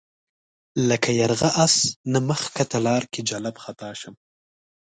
لکه یرغه آس نه مخ ښکته لار کې جلَب خطا شم